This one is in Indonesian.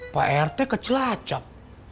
pak rt kecelacap